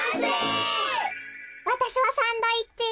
わたしはサンドイッチ。